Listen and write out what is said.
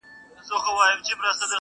د کهول یو غړی تنها مات کړي،